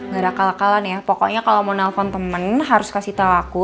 gak ada kalak kalan ya pokoknya kalo mau nelfon temen harus kasih tau aku